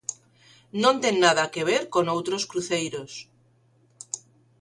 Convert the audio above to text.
Non ten nada que ver con outros cruceiros.